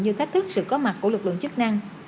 như thách thức sự có mặt của lực lượng chức năng